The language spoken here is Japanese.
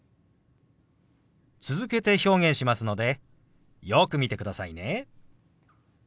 続けて表現しますのでよく見てくださいね。